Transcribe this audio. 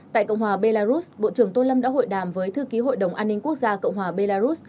tại cộng hòa belarus bộ trưởng tô lâm đã hội đàm với thư ký hội đồng an ninh quốc gia cộng hòa belarus